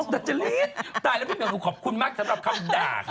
แต่อันนี้หนูขอบคุณมากสำหรับคำด่า